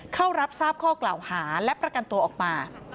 เข้ารับทราบข้อกล่าวหาและประกันตัวออกมา